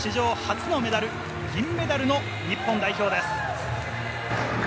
パラリンピック史上初のメダル、銀メダルの日本代表です。